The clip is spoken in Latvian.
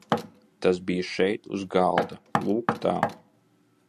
Tas bija šeit, uz galda, lūk tā!